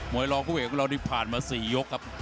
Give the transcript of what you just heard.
วยรองผู้เอกของเรานี่ผ่านมา๔ยกครับ